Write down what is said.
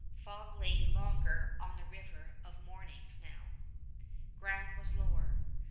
Fog lay longer on the river of mornings now. Ground was lower.